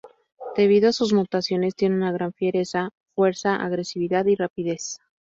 Debido a sus mutaciones tiene una gran fiereza, fuerza, agresividad y rapidez.